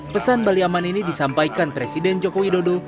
pesan bali aman ini disampaikan presiden jokowi dodo